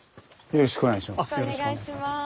よろしくお願いします。